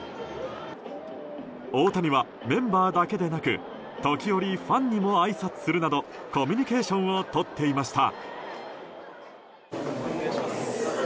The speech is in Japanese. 大谷はメンバーだけでなく時折ファンにもあいさつするなどコミュニケーションをとっていました。